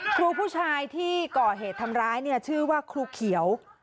ครูผู้ชายที่ก่อเหตุทำร้ายเนี่ยชื่อว่าครูเขียว